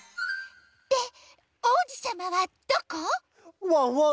でおうじさまはどこ？わわん。